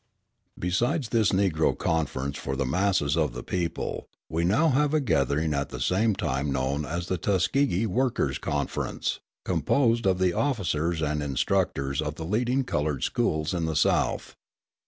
Besides this Negro Conference for the masses of the people, we now have a gathering at the same time known as the Tuskegee Workers' Conference, composed of the officers and instructors of the leading coloured schools in the South.